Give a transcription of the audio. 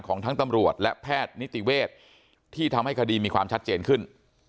ของทั้งตำรวจและแพทย์นิติเวศที่ทำให้คดีมีความชัดเจนขึ้น